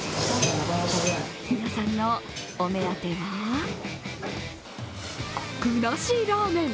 皆さんのお目当ては具なしラーメン。